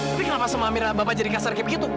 tapi kenapa sama amira bapak jadi kasar kayak begitu